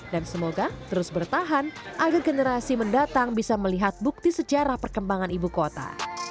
dan semoga terus bertahan agar generasi mendatang bisa melihat bukti sejarah perkembangan ibu kota